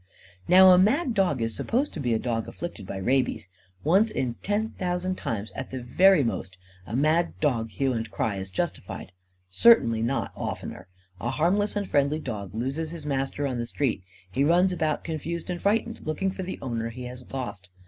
Now, a mad dog is supposed to be a dog afflicted by rabies. Once in ten thousand times, at the very most, a mad dog hue and cry is justified. Certainly not oftener. A harmless and friendly dog loses his master on the street. He runs about, confused and frightened, looking for the owner he has lost.